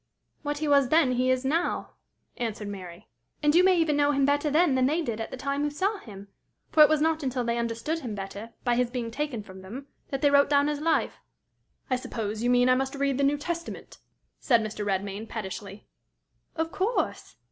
"What he was then he is now," answered Mary. "And you may even know him better than they did at the time who saw him; for it was not until they understood him better, by his being taken from them, that they wrote down his life." "I suppose you mean I must read the New Testament?" said Mr. Redmain, pettishly. "Of course!"